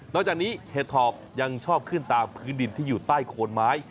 จากนี้เห็ดถอบยังชอบขึ้นตามพื้นดินที่อยู่ใต้โคนไม้